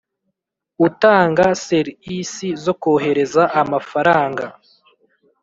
Utanga Ser isi zo kohereza amafaranga